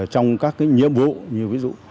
trong các cái nhiệm vụ như ví dụ